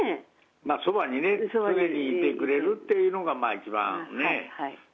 そばに常にいてくれるっていうのが一番ね。